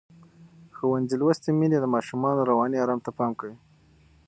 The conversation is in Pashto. ښوونځې لوستې میندې د ماشومانو رواني آرام ته پام کوي.